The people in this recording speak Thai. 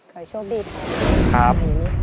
ขอโชคดีครับ